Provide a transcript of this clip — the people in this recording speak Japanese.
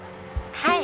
はい。